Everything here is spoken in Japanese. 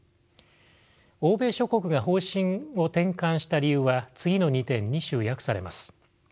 欧米諸国が方針を転換した理由は次の２点に集約されます。